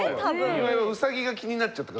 岩井はウサギが気になっちゃったから。